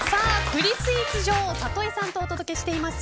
栗スイーツ女王・里井さんとお届けしています